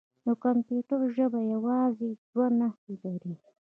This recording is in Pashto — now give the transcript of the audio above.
د کمپیوټر ژبه یوازې دوه نښې لري.